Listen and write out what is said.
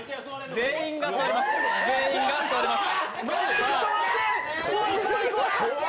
全員が座ります。